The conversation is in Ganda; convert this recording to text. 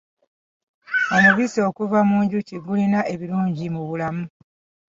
Omubisi okuva mu njuki gulina ebirungi mu bulamu.